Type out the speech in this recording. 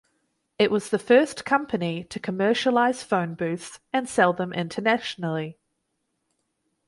It was the first company to commercialize phonebooths and sell them internationally.